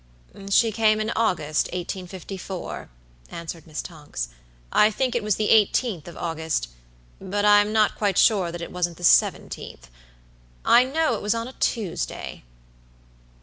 "She came in August, 1854," answered Miss Tonks; "I think it was the eighteenth of August, but I'm not quite sure that it wasn't the seventeenth. I know it was on a Tuesday."